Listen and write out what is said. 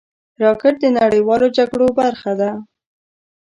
راکټ د نړیوالو جګړو برخه ده